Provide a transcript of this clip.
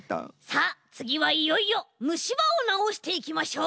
さあつぎはいよいよむしばをなおしていきましょう。